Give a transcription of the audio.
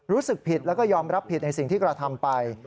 รู้สึกผิดแล้วก็ยอมรับผิดในสิ่งที่กระทำไป